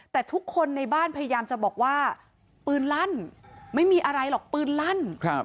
แต่ทุกคนในบ้านพยายามจะบอกว่าปืนลั่นไม่มีอะไรหรอกปืนลั่น